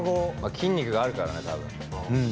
筋肉があるからね多分。